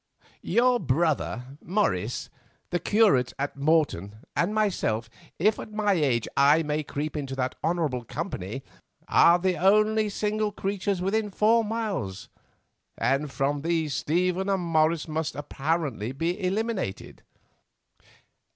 Your brother, Morris, the curate at Morton, and myself, if at my age I may creep into that honourable company, are the only single creatures within four miles, and from these Stephen and Morris must apparently be eliminated."